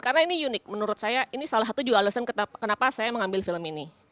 karena ini unik menurut saya ini salah satu alasan kenapa saya mengambil film ini